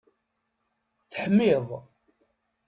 Teḥmiḍ!